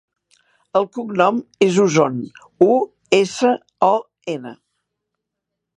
El cognom és Uson: u, essa, o, ena.